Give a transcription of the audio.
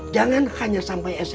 jangan hanya sampai smp saja